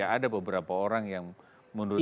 ada beberapa orang yang menurut saya